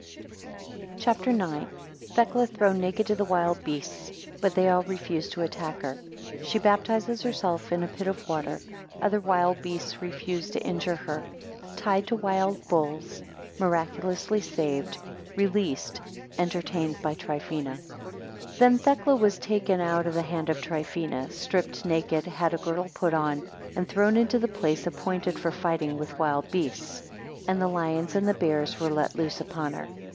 CHAPTER IX. 1 Thecla thrown naked to the wild beasts; 2 but they all refuse to attack her. 8 She baptizes herself in a pit of water. 10 Other wild beasts refuse to injure her. 11 Tied to wild bulls. 13 Miraculously saved. 21. Released. 24 Entertained by Trifina, THEN Thecla was taken out of the hand of Trifina, stripped naked, had a girdle put on, and thrown into the place appointed for fighting with the beasts: and the lions and the bears were let loose upon her.